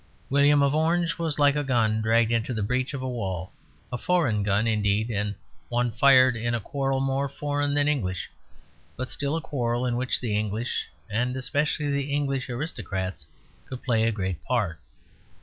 William of Orange was like a gun dragged into the breach of a wall; a foreign gun indeed, and one fired in a quarrel more foreign than English, but still a quarrel in which the English, and especially the English aristocrats, could play a great part.